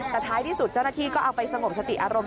แต่ท้ายที่สุดเจ้าหน้าที่ก็เอาไปสงบสติอารมณ์